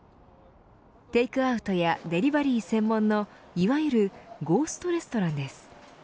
テイクアウトやデリバリー専門のいわゆるゴーストレストランです。